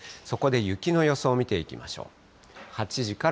そこで雪の予想を見ていきましょう。